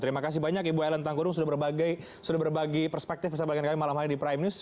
terima kasih banyak ibu ellen tanggurung sudah berbagi perspektif bersama dengan kami malam hari di prime news